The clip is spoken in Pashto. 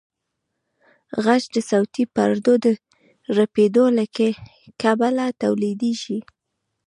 غږ د صوتي پردو د رپېدو له کبله تولیدېږي.